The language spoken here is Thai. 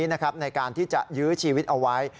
ในการที่จะยื้อชีวิตเอาไว้